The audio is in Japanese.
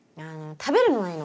食べるのはいいの。